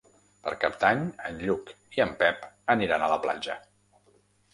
Per Cap d'Any en Lluc i en Pep aniran a la platja.